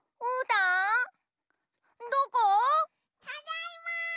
ただいま！